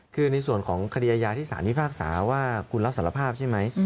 คือในส่วนของคดีอาญาที่สารพิพากษาว่าคุณรับสารภาพใช่ไหม